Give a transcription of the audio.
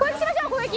攻撃。